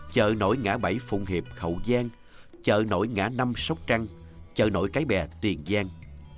chợ nổi ngã bảy phụng hiệp khẩu giang chợ nổi ngã năm sóc trăng chợ nổi cáy bè tuyền giang